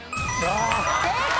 正解。